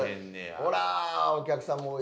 ほらお客さんも多いし。